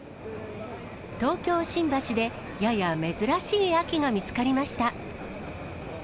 東京・新橋でやや珍しい秋が見つかりました。